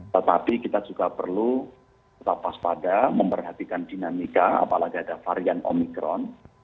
tetapi kita juga perlu tetap waspada memperhatikan dinamika apalagi ada varian omikron